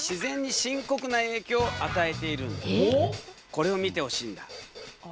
これを見てほしいんだ。